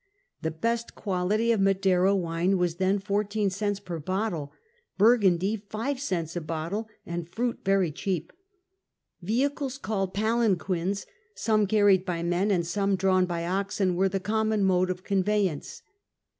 The best quality of Madeira wine was then fourteen cents per bottle. Bur gundy, five cents a bottle, and fruit very cheap . Vehicles called '' palanquines, '' some carried by men and some drawn by oxen, were the common mode of conveyance.